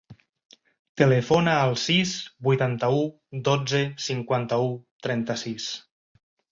Telefona al sis, vuitanta-u, dotze, cinquanta-u, trenta-sis.